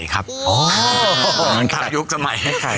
จากยุคสมัยไข่